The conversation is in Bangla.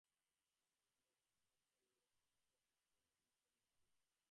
তোমার মা যখন স্ট্রোক করলো, আর সব জিনিসপত্র নিয়ে তুমি চলে যাচ্ছিলে।